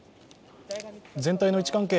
全体の位置関係